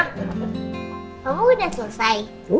kamu udah selesai